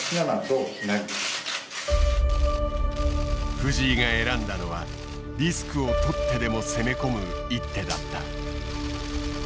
藤井が選んだのはリスクをとってでも攻め込む一手だった。